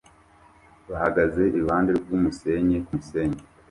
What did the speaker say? bahagaze iruhande rwumusenyi kumusenyi